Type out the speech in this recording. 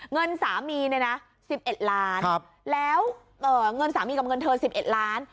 เงินสามีเนี่ยนะ๑๑ล้านแล้วเงินสามีกับเงินเธอ๑๑ล้าน